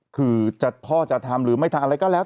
คือพ่อจะทำหรือไม่ทำอะไรก็แล้ว